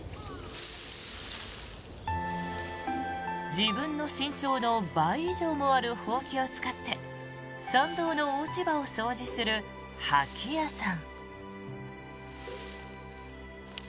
自分の身長の倍以上もあるほうきを使って参道の落ち葉を掃除する掃き屋さん。